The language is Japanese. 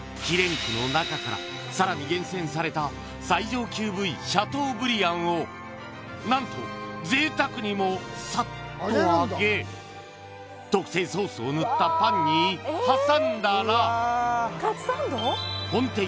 肉の中からさらに厳選された最上級部位シャトーブリアンを何と贅沢にもサッと揚げ特製ソースを塗ったパンに挟んだら本店